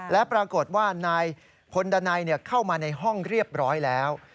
และปรากฏว่านายพลดันัยเข้ามาในห้องเรียบร้อยแล้ว